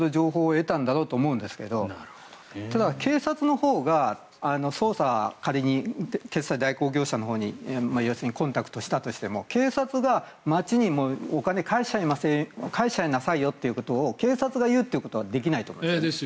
捜査というか街の判断でも色々と情報を得たんだと思いますがただ、警察のほうが捜査、仮に決済代行業者のほうにコンタクトしたとしても警察が町にお金を返しちゃいなさいよと言うことを警察が言うことはできないと思います。